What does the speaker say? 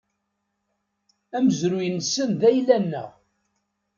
Amezruy-nsen, d ayla-nneɣ.